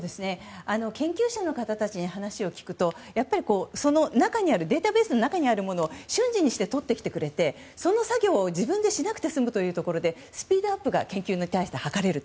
研究者の方たちに話を聞くとデータベースの中にあるものを瞬時にして取ってきてくれてその作業を自分でしなくて済むというところでスピードアップが研究に対して図れる。